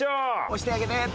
押してあげて！